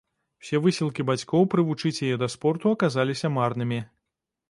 Усе высілкі бацькоў прывучыць яе да спорту аказаліся марнымі.